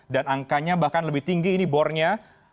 dan angkanya bahkan lebih tinggi ini bornya